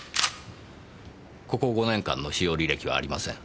ここ５年間の使用履歴はありません。